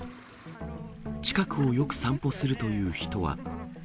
近くをよく散歩するという人は。